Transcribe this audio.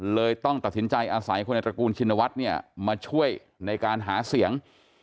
เลยต้องตัดสินใจอาศัยคนในตระกูลชินวัฒน์เนี่ยมาช่วยในการหาเสียง